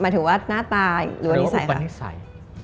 หมายถึงว่าหน้าตาหรือว่านิสัยคะนิสัย